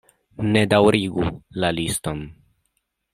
Ne daŭrigu la liston!